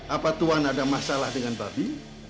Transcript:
apa tuhan ada masalah dengan babi